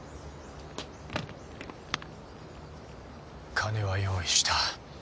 金は用意した。